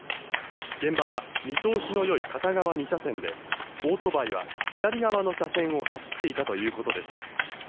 現場は見通しのよい片側２車線でオートバイは左側の車線を走っていたということです。